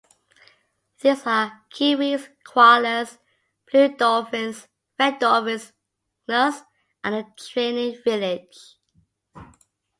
These are Kiwis, Koalas, Blue Dolphins, Red Dolphins, Gnus and the Training Village.